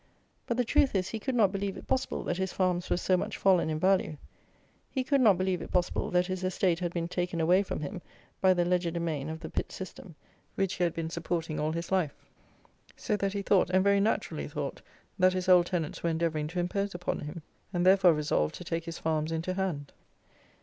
But the truth is, he could not believe it possible that his farms were so much fallen in value. He could not believe it possible that his estate had been taken away from him by the legerdemain of the Pitt System, which he had been supporting all his life: so that he thought, and very naturally thought, that his old tenants were endeavouring to impose upon him, and therefore resolved to take his farms into hand.